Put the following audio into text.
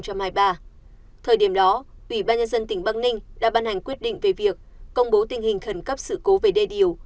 thời điểm đó ủy ban nhân dân tỉnh băng ninh đã ban hành quyết định về việc công bố tình hình khẩn cấp sự cố về đê điều